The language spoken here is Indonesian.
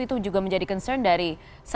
ini sih hanya keagetan lain